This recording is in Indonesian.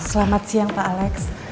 selamat siang pak alex